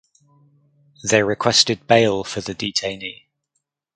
They requested bail for the detainee.